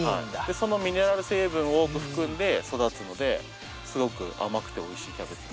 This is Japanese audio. そのミネラル成分を多く含んで育つのですごく甘くておいしいキャベツに。